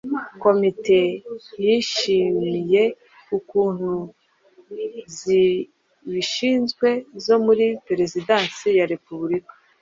Komite yishimiye ukuntu zibishinzwe zo muri Perezidansi ya Repubulika